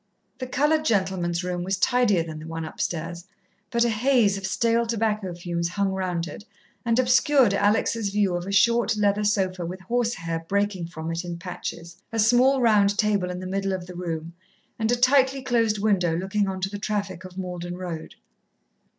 The coloured gentleman's room was tidier than the one upstairs, but a haze of stale tobacco fumes hung round it and obscured Alex' view of a short leather sofa with horsehair breaking from it in patches, a small round table in the middle of the room, and a tightly closed window looking on to the traffic of Malden Road.